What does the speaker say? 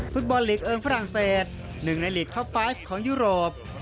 บอลลีกเอิงฝรั่งเศสหนึ่งในหลีกท็อปไฟฟ์ของยุโรป